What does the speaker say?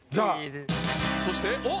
そしておっ？